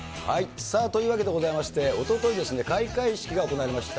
というわけでございまして、おとといですね、開会式が行われました。